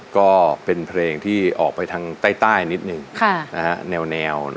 ก็เป็นเพลงที่ออกไปทางใต้ใต้นิดหนึ่งค่ะนะฮะแนวแนว